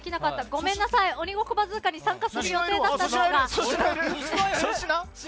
ごめんなさい「鬼ごっこバズーカ」に参加する予定だったんですが。